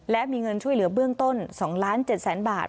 และมีเงินช่วยเหลือเบื้องต้น๒๗๐๐๐๐บาท